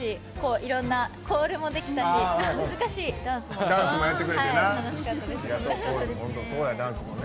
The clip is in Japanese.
いろんなコールもできたし難しいダンスもできて楽しかったです。